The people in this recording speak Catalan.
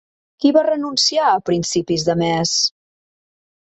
Qui va renunciar a principis de mes?